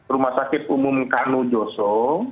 rumah sakit umum kano joso